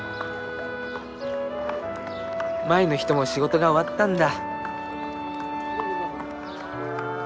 前の人も仕事が終わったんだ。